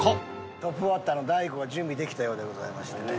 トップバッターの大悟が準備できたようでございましてね。